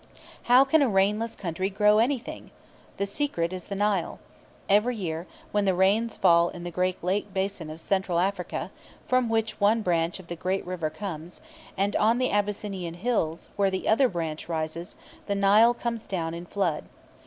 How can a rainless country grow anything? The secret is the Nile. Every year, when the rains fall in the great lake basin of Central Africa, from which one branch of the great river comes, and on the Abyssinian hills, where the other branch rises, the Nile comes down in flood.